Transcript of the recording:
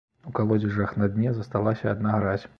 У калодзежах на дне засталася адна гразь.